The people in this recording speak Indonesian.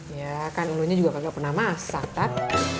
ya kan ungunya juga nggak pernah masak kan